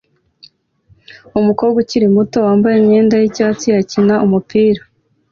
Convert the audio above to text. Umukobwa ukiri muto wambaye imyenda yicyatsi akina umupira